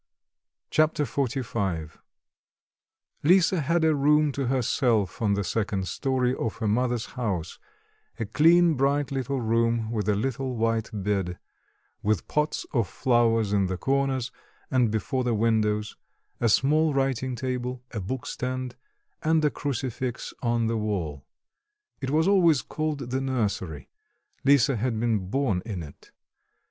Chapter XLV Lisa had a room to herself on the second story of her mother's house, a clean bright little room with a little white bed, with pots of flowers in the corners and before the windows, a small writing table, a book stand, and a crucifix on the wall. It was always called the nursery; Lisa had been born in it.